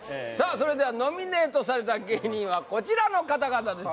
それではノミネートされた芸人はこちらの方々です